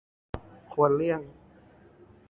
ควรเลี่ยง